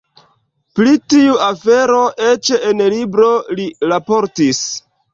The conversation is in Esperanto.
Pri tiu afero eĉ en libro li raportis.